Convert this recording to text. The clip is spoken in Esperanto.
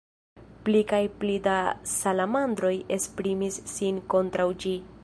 Pli kaj pli da salamandroj esprimis sin kontraŭ ĝi.